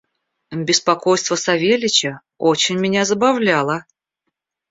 Беспокойство Савельича очень меня забавляло.